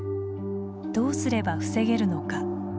どうすれば防げるのか。